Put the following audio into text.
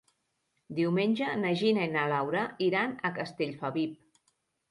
Diumenge na Gina i na Laura iran a Castellfabib.